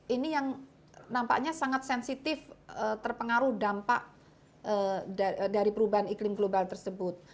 ini yang nampaknya sangat sensitif terpengaruh dampak dari perubahan iklim global tersebut